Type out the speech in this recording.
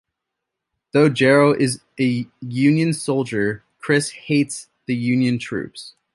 Though Jethro is a Union soldier, Chris hates the Union troops.